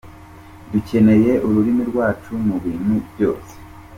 Dukeneye ururimi rwacu mu bintu byose.